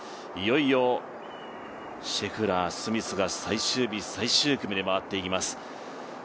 いよいよシェフラー、スミスが最終日、最終組で回っていきます。